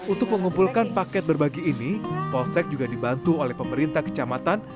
untuk mengumpulkan paket berbagi ini polsek juga dibantu oleh pemerintah kecamatan